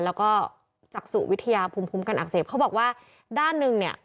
แล้วก็จากสู่วิทยาภูมิคุ้มกันอักเสบเขาบอกว่าด้านหนึ่งเนี่ย